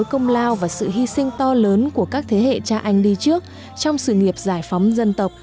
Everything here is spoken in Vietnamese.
công lao và sự hy sinh to lớn của các thế hệ cha anh đi trước trong sự nghiệp giải phóng dân tộc